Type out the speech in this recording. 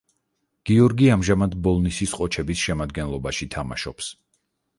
გიორგი ამჟამად ბოლნისის „ყოჩების“ შემადგენლობაში თამაშობს.